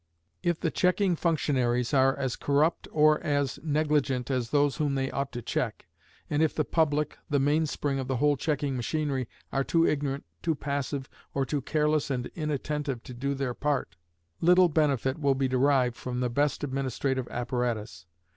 If the checking functionaries are as corrupt or as negligent as those whom they ought to check, and if the public, the mainspring of the whole checking machinery, are too ignorant, too passive, or too careless and inattentive to do their part, little benefit will be derived from the best administrative apparatus.